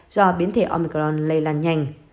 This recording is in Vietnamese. do biến thể omicron lây lan nhanh